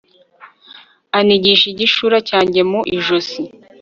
anigisha igishura cyanjye mu ijosi